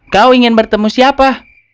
kau ingin bertemu siapa